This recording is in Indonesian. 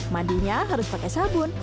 mandinya harus pakai sabun